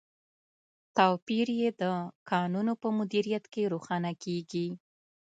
توپیر یې د کانونو په مدیریت کې روښانه کیږي.